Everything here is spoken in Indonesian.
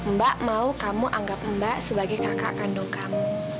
mbak mau kamu anggap mbak sebagai kakak kandung kamu